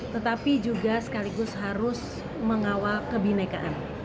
tetapi juga sekaligus harus mengawal kebinekaan